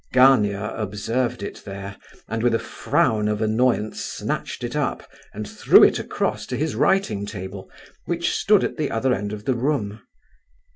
Gania observed it there, and with a frown of annoyance snatched it up and threw it across to his writing table, which stood at the other end of the room.